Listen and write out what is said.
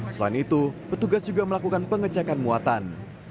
selain itu petugas juga melakukan pengecekan muatan